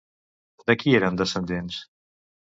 De qui eren descendents?